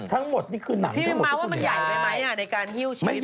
พี่มายว่ามันใหญ่ไปไหมในการหิ้วชีวิต